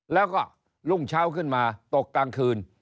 แล้วก็รุ่งเช้าขึ้นมาตกกลางคืน